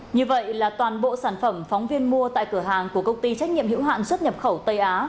như vậy là toàn bộ sản phẩm phóng viên mua tại cửa hàng của công ty trách nhiệm hữu hạn xuất nhập khẩu tây á